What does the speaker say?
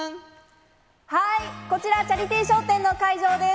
こちら、チャリティー笑点の会場です。